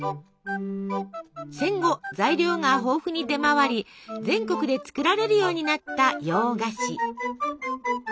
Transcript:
戦後材料が豊富に出回り全国で作られるようになった洋菓子。